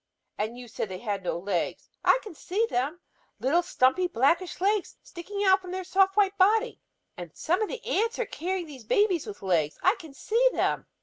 And you said they have no legs. I can see them; little stumpy blackish legs sticking out from their soft white body! And some of the ants are carrying these babies with legs; I can see them!"